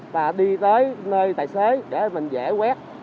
và đi tới nơi tài xế để mình dễ quét